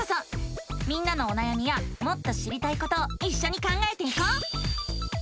みんなのおなやみやもっと知りたいことをいっしょに考えていこう！